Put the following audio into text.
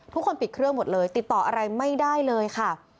ปิดเครื่องหมดเลยติดต่ออะไรไม่ได้เลยค่ะ